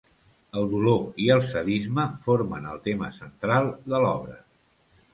El dolor i el sadisme formen el tema central de l'obra.